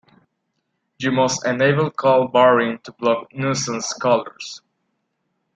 You must enable call barring to block nuisance callers.